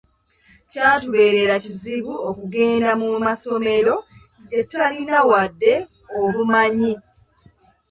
Kyatubeerara kizibu okugenda mu masomero gye tutaalina wadde omumanye.